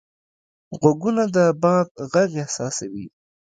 غوږونه د باد غږ احساسوي